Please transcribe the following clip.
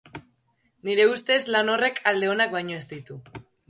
Nire ustez, lan horrek alde onak baino ez ditu.